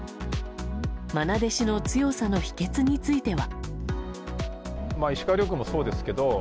愛弟子の強さの秘訣については。